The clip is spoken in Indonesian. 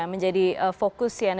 menjadi fokus cnn indonesia